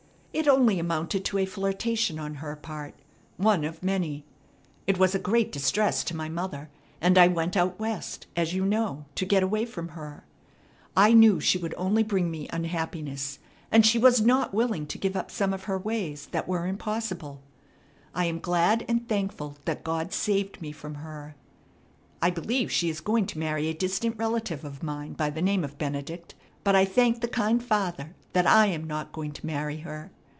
It only amounted to a flirtation on her part, one of many. It was a great distress to my mother, and I went out West, as you know, to get away from her. I knew she would only bring me unhappiness, and she was not willing to give up some of her ways that were impossible. I am glad and thankful that God saved me from her. I believe she is going to marry a distant relative of mine by the name of Benedict, but I thank the kind Father that I am not going to marry her.